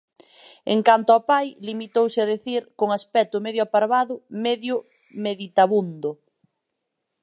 En canto ó pai, limitouse a dicir, con aspecto medio aparvado, medio meditabundo: